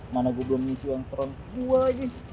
mana gua belum isi uang elektronik gua lagi